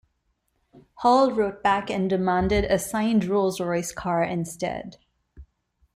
Hall wrote back and demanded a "signed Rolls-Royce car" instead.